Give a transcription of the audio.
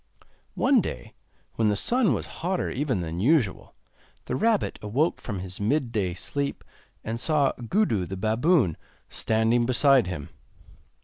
One day, when the sun was hotter even than usual, the rabbit awoke from his midday sleep, and saw Gudu the baboon standing beside him.